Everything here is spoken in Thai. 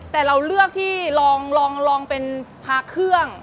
แต่เราเลือกที่ลองเป็นพระเครื่อง